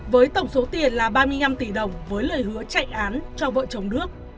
với tổng số tiền là ba mươi năm tỷ đồng với lời hứa chạy án cho vợ chồng đức